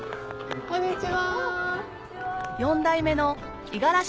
こんにちは。